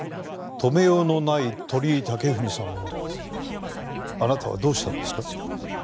止めようのない鳥居武文さんをあなたはどうしたんですか？